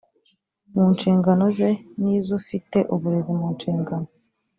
mu nshingano ze n iz ufite uburezi mu nshingano